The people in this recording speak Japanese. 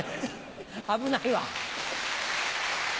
危ないわ。